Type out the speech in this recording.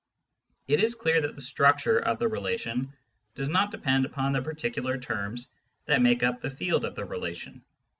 It is clear that the " structure " of the relation does not depend upon the particular terms that make up the field of the relation.